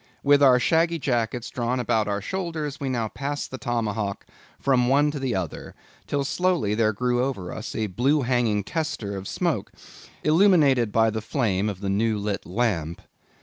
With our shaggy jackets drawn about our shoulders, we now passed the Tomahawk from one to the other, till slowly there grew over us a blue hanging tester of smoke, illuminated by the flame of the new lit lamp.